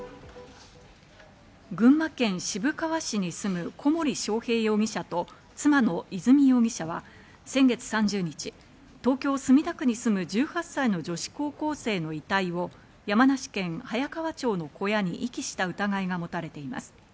群馬県渋川市に住む小森章平容疑者と妻の和美容疑者は先月３０日、東京・墨田区に住む１８歳の女子高校生の遺体を山梨県早川町の小屋に遺棄した疑いが持たれています。